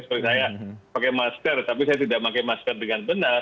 seperti saya pakai masker tapi saya tidak pakai masker dengan benar